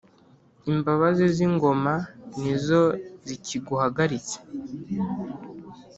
imbabazi z'ingoma ni zo zikiguhagaritse